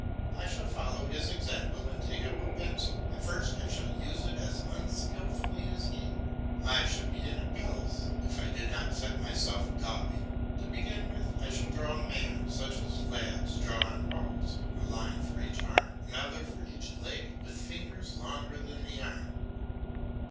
I shall follow his example and take up a pencil; at first I shall use it as unskilfully as he. I should be an Apelles if I did not set myself daubing. To begin with, I shall draw a man such as lads draw on walls, a line for each arm, another for each leg, with the fingers longer than the arm.